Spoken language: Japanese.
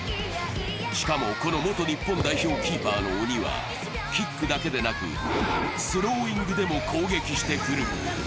しかも、この元日本代表キーパーの鬼はキックだけでなく、スローイングでも攻撃してくる。